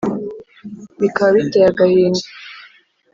bikaba biteye agahinda